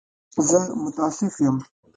زه متأسف یم.